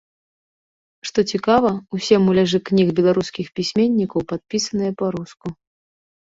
Што цікава, усе муляжы кніг беларускіх пісьменнікаў падпісаныя па-руску.